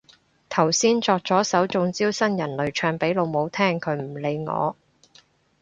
頭先作咗首中招新人類唱俾老母聽，佢唔理我